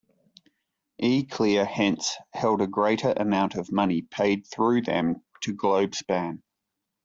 E-Clear hence held a greater amount of money paid through them to Globespan.